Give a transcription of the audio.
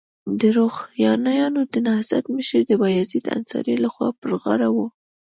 د روښانیانو د نهضت مشري د بایزید انصاري لخوا پر غاړه وه.